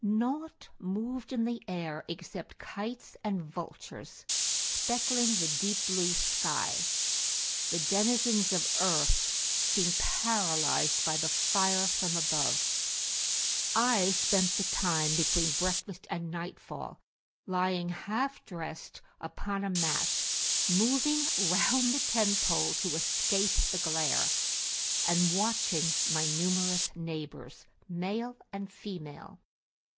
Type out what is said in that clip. Nought moved in the air except kites and vultures, speckling the deep blue sky: the denizens of earth seemed paralysed by the fire from above. I spent the time between breakfast and nightfall lying half dressed upon a mat, moving round the tent pole to escape the glare, and watching my numerous neighbours, male and female.